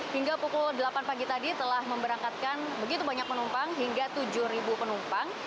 hingga pukul delapan pagi tadi telah memberangkatkan begitu banyak penumpang hingga tujuh penumpang